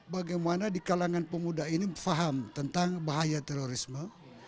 bagaimana di kalangan pemuda ini faham tentang bahaya terorisme